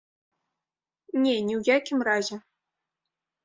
Не, ні ў якім разе.